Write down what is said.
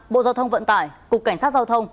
bộ giao thông vận tải cục cảnh sát giao thông